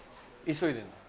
急いでんの？